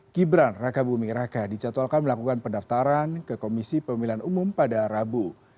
gibran raka bumi raka dicatalkan melakukan pendaftaran ke komisi pemilihan umum pada rabu